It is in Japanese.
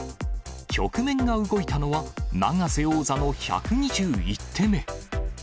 局面が動いたのは永瀬王座の１２１手目。